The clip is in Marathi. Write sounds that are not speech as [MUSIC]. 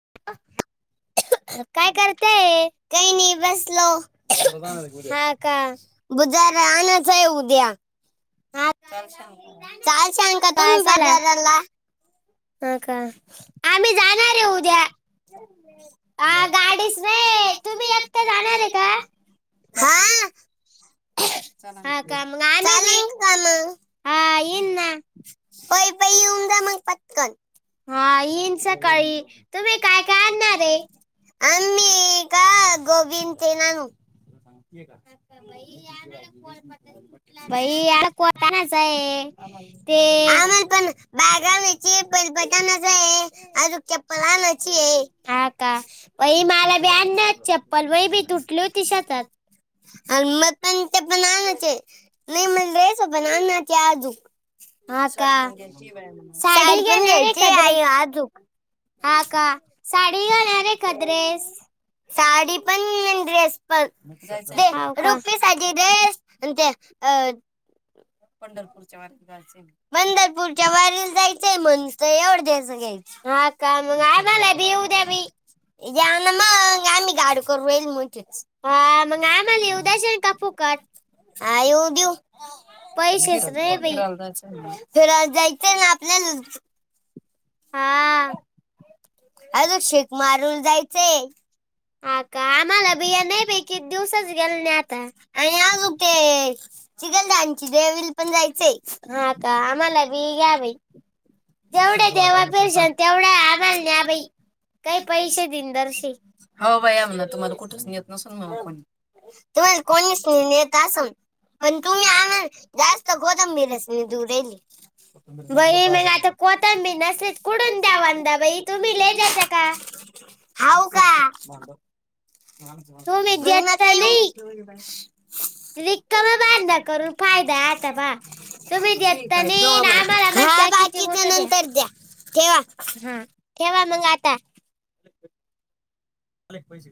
[INAUDIBLE] काय करताय काय नाही बसलो. हा का बुजारा आणायचा उद्या हा चाल सांग हा का? आम्ही जाणार आहे उद्या. [INAUDIBLE] ह गाडीच नाही तुम्ही एकता जाणार आहे का? हा हा का मग आम्ही बी चालन का मग हा इन ना पै पै येऊन जा मग पटकन हा येईन सकाळी, तुम्ही काय काय आणणार आहे? आम्ही का गोबी आणि तेन आणू? भाई [UNINTELLIGIBLE] आहे ते [UNINTELLIGIBLE] अजूक चप्पल आणायची आहे. हा का बाई मला आण नाय चप्पल माझी तुटली होती शेतात. आणि मग पण ते पण आणायचे. नाही मग [INAUDIBLE] [UNINTELLIGIBLE] आणायचे आजूक. हा साडी का पण साडी घेणार घ्यायची का आहे ड्रेस आई आजूक. हा का, साडी घालणार आहे का ड्रेस? साडी पण, ड्रेस पण दे हाव का रुक. [UNINTELLIGIBLE] ड्रेस पंढरपूरच् वारीला जायचं. [UNINTELLIGIBLE] पुढच्या वारीला जायचंय म्हण तर एवढं द्यायचे काय? हा का मग आहे मला भिऊ द्या भी. या ना मग आमही गाडी करु रोईल मोठी. हा मग आ मला उद्याच. हा येऊ देऊ. पैसेच नाही [UNINTELLIGIBLE] बाई फिरायला जायचं आहे म्हण. फिरायला जायचे ना आपल्याल? हा. अजून शेक मारून जायचयं. हा का आम्हाला बिया नाही पैकी दिवसच गेल नाही आता. आणि आजग ते चिखलदानची देवील पण जायचंय. हा का, आम्हाला बी घ्या बाई. जेवढ्या देवा पिरशन तेवढ्या आम्हाल न्या बाई. काही पैसे दिन दर्शी होवया म्ह ना तुम्हाला कुठच. तुम्हाला कोणीच नाही देत कोणीचेत असं असल. पण तुम्ही आम्हाला आ जास्त कोथंबीरच नाही [UNINTELLIGIBLE] दूर दिली. राहिली. आता प बाई मग आता कोथंबीर नसली तर कुठून पुढून द्या दव बाई तुम्ही लय तु्ही देता का. हाव का? तुम्ही मग देत नका नाही येऊ. [INAUDIBLE] रिकामा बांधा फायदा करून फायदा हाय आता पहा. बाबा. तुम्ही देत ठीक आहे नाही जाऊया म्हण. आम्हाला हा म्हणता जाय किती कीच्या मोठं नंतर द्या ठेवा. हा ठेवा मग आता. [UNINTELLIGIBLE] पाहिजे.